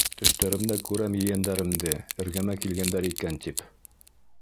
Төштәремдә күрәм ейәндәремде, эргәмә килгәндәр икән тип...